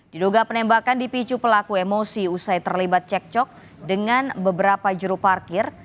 diduga penembakan dipicu pelaku emosi usai terlibat cekcok dengan beberapa juru parkir